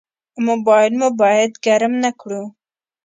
موبایل مو باید ګرم نه کړو.